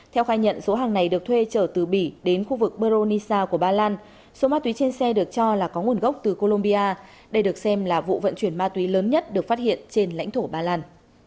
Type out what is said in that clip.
theo khai nhận số hàng này được thuê trở từ bỉ đến khu vực beronisha của ba lan số ma túy trên xe được cho là có nguồn gốc từ colombia đây được xem là vụ vận chuyển ma túy lớn nhất được phát hiện trên lãnh thổ ba lan